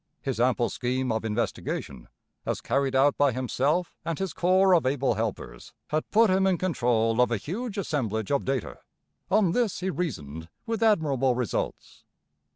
His ample scheme of investigation, as carried out by himself and his corps of able helpers, had put him in control of a huge assemblage of data. On this he reasoned with admirable results.